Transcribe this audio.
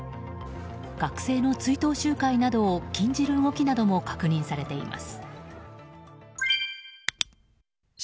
学生の追悼集会などを禁じる動きなども確認されています。